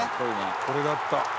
「これだった」